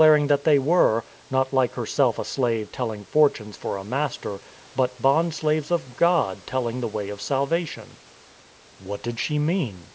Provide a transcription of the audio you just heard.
THE SHOUT OF THE SLAVE GIRL 189 that they were — not, like herself a slave telling for tunes for a master — but bond slaves of God telling the way of salvation. What did she mean?